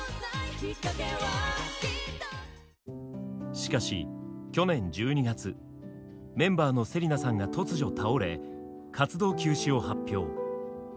しかし去年１２月メンバーの芹奈さんが突如倒れ活動休止を発表。